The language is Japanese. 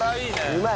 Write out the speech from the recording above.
うまい！